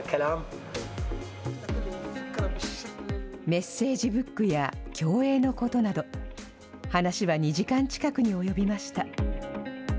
メッセージブックや競泳のことなど、話は２時間近くに及びました。